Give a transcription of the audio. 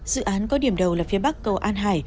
dự án có điểm đầu là phía bắc cầu an hải